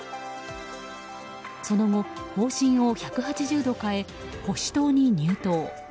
その後、方針を１８０度変え保守党に入党。